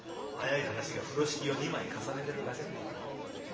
早い話が風呂敷を２枚重ねてるだけだ。